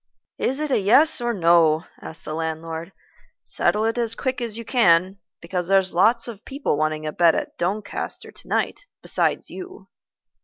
"Is it yes or no?" asked the landlord. "Settle it as quick as you can, because there's lots of people wanting a bed at Doncaster to night besides you."